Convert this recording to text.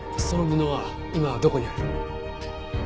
その布は今どこにある？